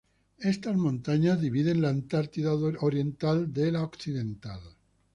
Estas montañas dividen la Antártida oriental de la occidental.